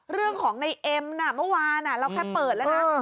เรื่องของในเอ็มน่ะเมื่อวานเราแค่เปิดแล้วนะ